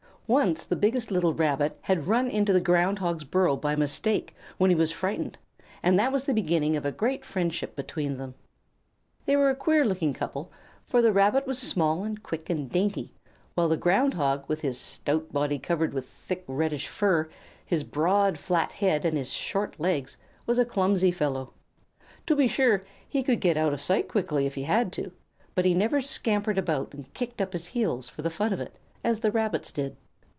Once the biggest little Rabbit had run into the Ground Hog's burrow by mistake when he was frightened, and that was the beginning of a great friendship between them. They were a queer looking couple, for the Rabbit was small and quick and dainty, while the Ground Hog, with his stout body covered with thick, reddish fur, his broad, flat head, and his short legs, was a clumsy fellow. To be sure, he could get out of sight quickly if he had to, but he never scampered around and kicked up his heels for the fun of it, as the Rabbits did.